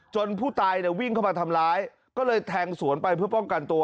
ผู้ตายเนี่ยวิ่งเข้ามาทำร้ายก็เลยแทงสวนไปเพื่อป้องกันตัว